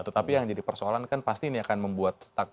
tetapi yang jadi persoalan kan pasti ini akan membuat stuck